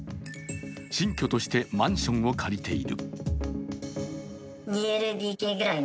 新居としてマンションを借りている。